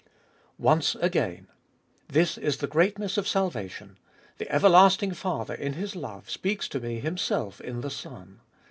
4. Once again. This is the greatness of salvation; the everlasting Father in His love speaks to me Himself in the Son.